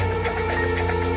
aku sudah berhenti